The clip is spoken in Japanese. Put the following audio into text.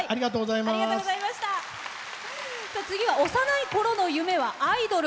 次は幼いころの夢はアイドル。